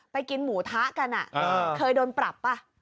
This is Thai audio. กินหมูทะกันเคยโดนปรับป่ะ